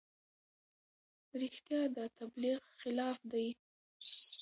رښتیا د تبلیغ خلاف دي.